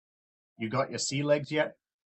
You got your sea legs yet?